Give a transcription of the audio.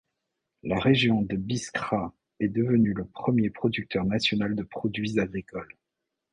La région de Biskra est devenue le premier producteur national de produits agricoles.